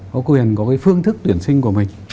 có quyền có cái phương thức tuyển sinh của mình